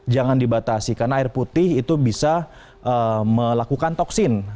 jangan dibatasi karena air putih itu bisa melakukan toksin